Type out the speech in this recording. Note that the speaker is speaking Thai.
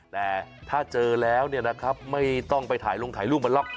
แต่ถ้าเจอแล้วเนี่ยนะครับไม่ต้องไปถ่ายลงถ่ายรูปมันหรอก